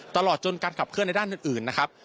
ตลอดจนการขับเคลื่อนในด้านอื่นนะครับ